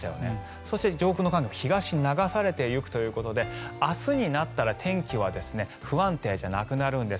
そして上空の寒気も東に流されていくということで明日になったら天気は不安定じゃなくなるんです。